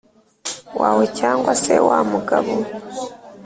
Wawe cyangwa se wa mugabo